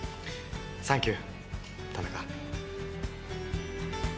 サンキュー田中。